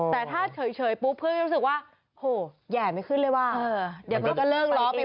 แต่ถ้าเฉยปุ๊บเพื่อนก็รู้สึกว่าโหแย่ไม่ขึ้นเลยว่ะเดี๋ยวมันก็เลิกล้อไป